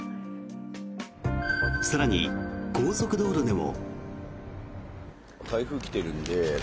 更に、高速道路でも。